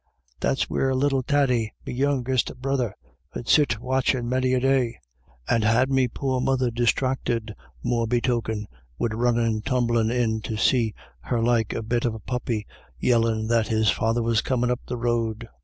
That's where little Thady, me youngest brother, 'ud sit watchin' many a day ; and had me poor mother disthracted, more be token, wid runnin' tumblin' in to her like a bit of a puppy, yellin* that his father was comin' up the road.